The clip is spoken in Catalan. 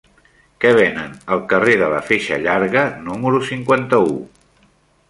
Què venen al carrer de la Feixa Llarga número cinquanta-u?